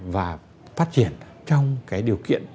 và phát triển trong cái điều kiện